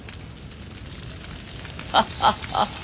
ハハハハ！